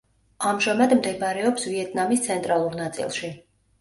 ამჟამად მდებარეობს ვიეტნამის ცენტრალურ ნაწილში.